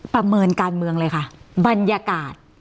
ประเมินการเมืองเลยค่ะบรรยากาศ